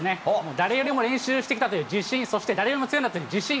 誰よりも練習してきたという自信、そして誰よりも強いんだという自信。